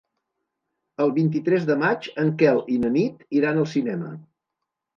El vint-i-tres de maig en Quel i na Nit iran al cinema.